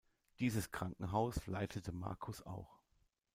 Diese Krankenhaus leitete Marcus auch.